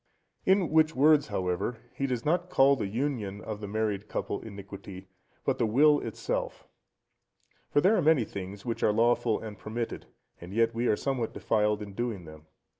In which words, however, he does not call the union of the married couple iniquity, but the will itself. For there are many things which are lawful and permitted, and yet we are somewhat defiled in doing them.